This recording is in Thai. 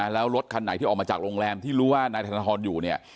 แล้วรถคันไหนที่ออกมาจากโรงแรมที่รู้ว่านายธนทรอยู่เนี่ย